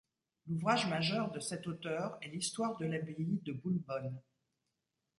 L'ouvrage majeur de cet auteur est l'histoire de l'abbaye de Boulbonne.